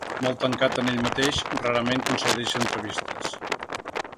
Molt tancat en ell mateix, rarament concedeix entrevistes.